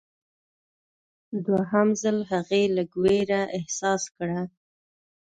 دوهم ځل هغې لږ ویره احساس کړه.